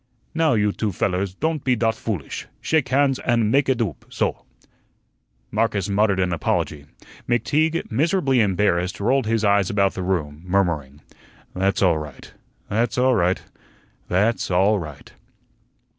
"Now, you two fellers, don't be dot foolish. Schake hands und maig ut oop, soh." Marcus muttered an apology. McTeague, miserably embarrassed, rolled his eyes about the room, murmuring, "That's all right that's all right that's all right."